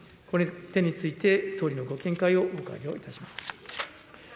この点について、総理のご見解をお伺いをいたします。